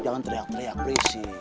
jangan teriak teriak rizky